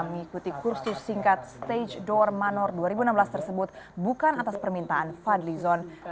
mengikuti kursus singkat stage dor manor dua ribu enam belas tersebut bukan atas permintaan fadli zon